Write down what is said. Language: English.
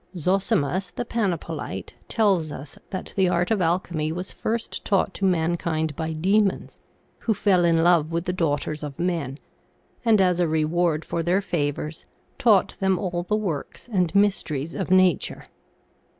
Zosimus the Panapolite tells us that the art of Alchemy was first taught to mankind by demons, who fell in love with the daughters of men, and, as a reward for their favors, taught them all the works and mysteries of nature.